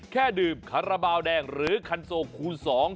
ดื่มคาราบาลแดงหรือคันโซคูณ๒